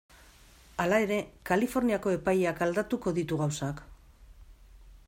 Hala ere, Kaliforniako epaiak aldatuko ditu gauzak?